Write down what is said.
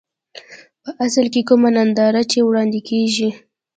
په اصل کې کومه ننداره چې وړاندې کېږي.